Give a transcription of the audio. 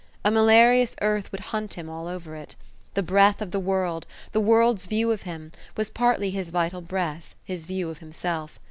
A malarious earth would hunt him all over it. The breath of the world, the world's view of him, was partly his vital breath, his view of himself.